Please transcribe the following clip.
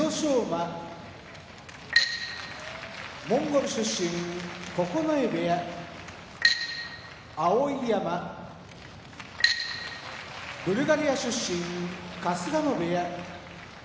馬モンゴル出身九重部屋碧山ブルガリア出身春日野部屋